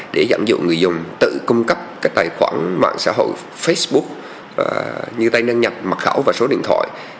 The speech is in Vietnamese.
để giảm dụng người dùng tự cung cấp các tài khoản mạng xã hội facebook như tài năng nhập mặt khảo và số điện thoại